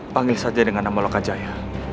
panggil saja dengan nama loka jaya